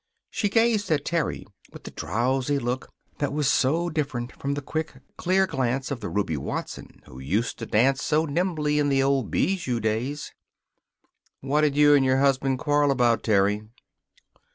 She gazed at Terry with the drowsy look that was so different from the quick, clear glance of the Ruby Watson who used to dance so nimbly in the old Bijou days. "What'd you and your husband quarrel about, Terry?"